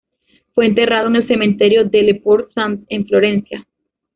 Fue enterrado en el Cementerio delle Porte Sante, en Florencia.